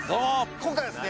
今回はですね